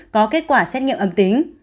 có kết quả xét nghiệm âm tính